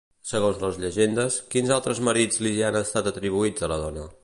Segons les llegendes, quins altres marits li han estat atribuïts a la dona?